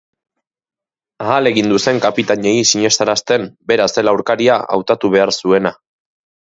Ahalegindu zen kapitainei sinestarazten bera zela aurkaria hautatu behar zuena.